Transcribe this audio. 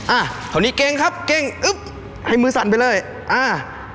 อ่ะเท่านี้เก่งครับเก่งอึ๊บให้มือสั่นไปเลยอ่า